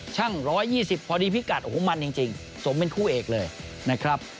ช่างร้อยยี่สิบพอดีพิกัดโอ้โหมันจริงจริงสมเป็นคู่เอกเลยนะครับ